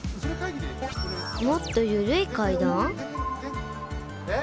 もっとゆるい階段？